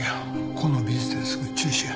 この美術展すぐ中止や。